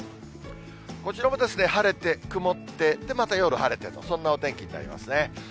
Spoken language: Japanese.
こちらも晴れて、曇って、で、また夜晴れて、そんなお天気になりますね。